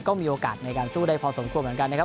ก็มีโอกาสในการสู้ได้พอสมควรเหมือนกันนะครับ